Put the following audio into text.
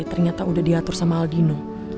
ternyata udah diatur sama aldino